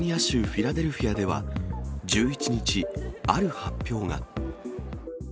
フィラデルフィアでは、１１日、ある発表が。